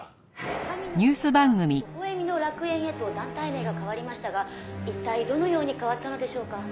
「神の国から微笑みの楽園へと団体名が変わりましたが一体どのように変わったのでしょうか？」